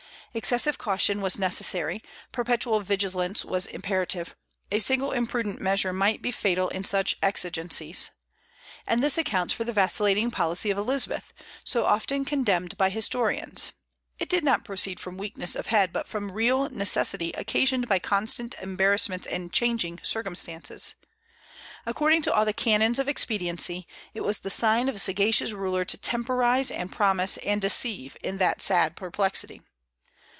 Excessive caution was necessary, perpetual vigilance was imperative; a single imprudent measure might be fatal in such exigencies. And this accounts for the vacillating policy of Elizabeth, so often condemned by historians. It did not proceed from weakness of head, but from real necessity occasioned by constant embarrassments and changing circumstances. According to all the canons of expediency, it was the sign of a sagacious ruler to temporize and promise and deceive in that sad perplexity.